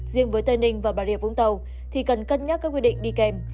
riêng với tây ninh và bà rịa vũng tàu thì cần cân nhắc các quy định đi kèm